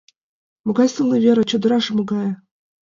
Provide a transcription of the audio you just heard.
— Могай сылне вер, а чодыраже могае!